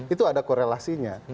itu ada korelasinya